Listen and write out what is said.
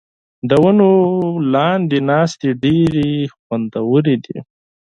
د ونو لاندې ناستې ډېرې خوندورې دي.